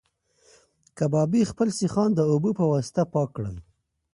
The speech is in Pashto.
کبابي خپل سیخان د اوبو په واسطه پاک کړل.